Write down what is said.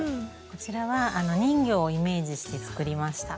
こちらは人魚をイメージして作りました。